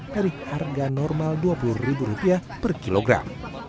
dari harga normal dua puluh rupiah per kilogram